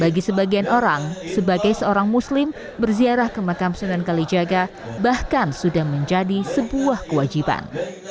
bagi sebagian orang sebagai seorang muslim berziarah ke makam sunan kalijaga bahkan sudah menjadi sebuah kewajiban